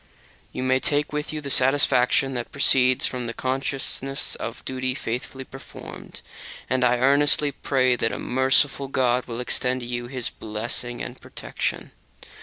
You will take with you the satisfaction that proceeds from the consciousness of duty faithfully performed; and I earnestly pray that a merciful God will extend to you His blessing and protection.